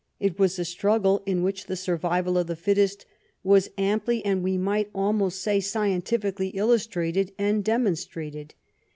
It was a struggle in which the survival of the fittest was amply, and we might almost say scientifically, illustrated and demonstrated.